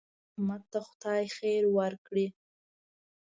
احمد ته خدای خیر ورکړي.